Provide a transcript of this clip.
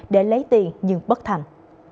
để lấy tiền nhưng bất thành